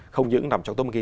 không những nằm trong top một